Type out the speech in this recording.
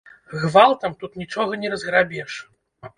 Гвалтам тут нічога не разграбеш.